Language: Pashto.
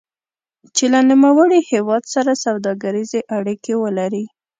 چې له نوموړي هېواد سره سوداګریزې اړیکې ولري.